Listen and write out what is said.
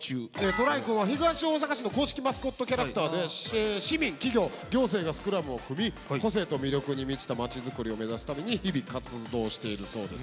トライくんは東大阪市の公式マスコットキャラクターで市民企業行政がスクラムを組み個性と魅力に満ちたまちづくりを目指すために日々活動しているそうです。